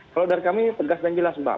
kalau dari kami tegas dan jelas mbak